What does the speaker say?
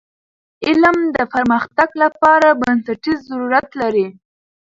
علم د پرمختګ لپاره بنسټیز ضرورت دی.